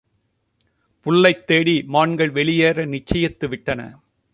புல்லைத் தேடி மான்கள் வெளியேற நிச்சயித்து விட்டன.